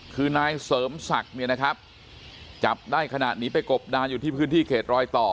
คือนายเสริมศักดิ์เนี่ยนะครับจับได้ขณะหนีไปกบดานอยู่ที่พื้นที่เขตรอยต่อ